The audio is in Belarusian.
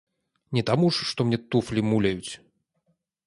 Не таму ж, што мне туфлі муляюць.